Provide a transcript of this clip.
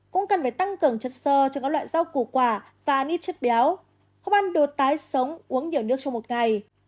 cũng cần phải tăng cường chất sơ cho các loại rau củ quả và ít chất béo không ăn được tái sống uống nhiều nước trong một ngày